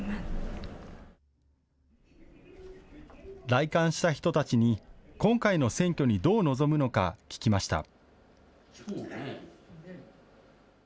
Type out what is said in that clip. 来館した人たちに今回の選挙にどう臨むのか聞きました。